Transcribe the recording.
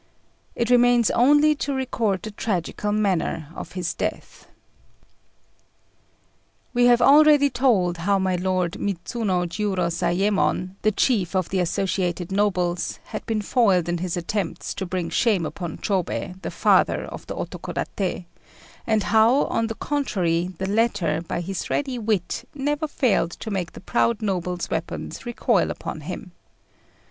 It remains only to record the tragical manner of his death. We have already told how my lord Midzuno Jiurozayémon, the chief of the associated nobles, had been foiled in his attempts to bring shame upon Chôbei, the Father of the Otokodaté; and how, on the contrary, the latter, by his ready wit, never failed to make the proud noble's weapons recoil upon him.